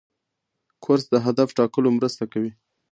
کورس د هدف ټاکلو مرسته کوي.